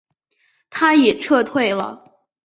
他也撤退了。